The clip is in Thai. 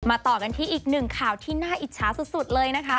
ต่อกันที่อีกหนึ่งข่าวที่น่าอิจฉาสุดเลยนะคะ